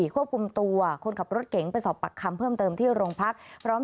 ควบคุมตัวคนขับรถเก๋งไปสอบปากคำเพิ่มเติมที่โรงพักพร้อม